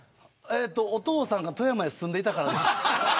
お父さんが富山に住んでいたからです。